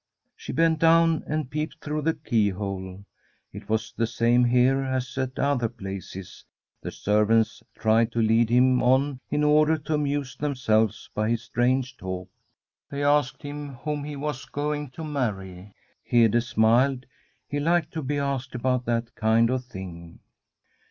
She bent down and peeped through the key hole. It was the same here as at other places. The servants tried to lead him on in order to amuse themselves by his strange talk. They asked him whom he was going to marry. Hede smiled ; he liked to be asked about that kind of thing.